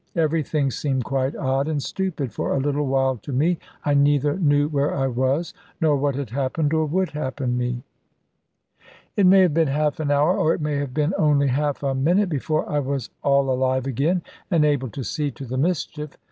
Everything seemed quite odd and stupid for a little while to me. I neither knew where I was, nor what had happened or would happen me. It may have been half an hour, or it may have been only half a minute, before I was all alive again, and able to see to the mischief.